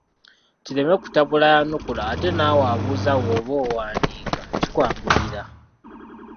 Kireme kutabula ayanukula ate naawe abuuza bw’oba owandiika kikwanguyira.